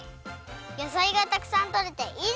やさいがたくさんとれていいですね！